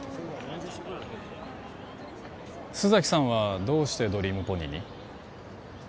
マジか須崎さんはどうしてドリームポニーに？